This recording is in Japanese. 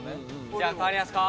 じゃあ代わりますか。